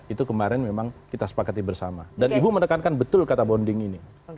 itu kemarin memang kita sepakati bersama dan ibu menekankan betul kata bonding ini